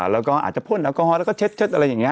แล้วก็อาจจะพ่นแอลกอฮอลแล้วก็เช็ดอะไรอย่างนี้